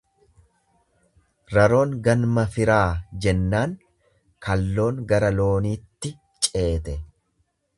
Raroon ganma firaa jennaan kalloon gara looniitti ceete.